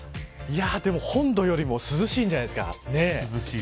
本土よりも涼しいんじゃないですか。